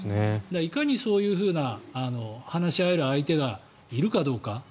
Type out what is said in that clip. いかに、そういうふうな話し合える相手がいるかどうか。